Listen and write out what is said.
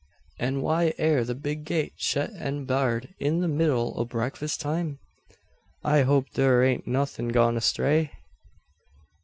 An' why air the big gate shet an barred in the middle o' breakfist time? I hope thur hain't nuthin' gone astray?"